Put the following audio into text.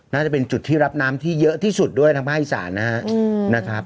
น่าจะเป็นจุดที่รับน้ำที่เยอะที่สุดด้วยทางภาคอีสานนะครับ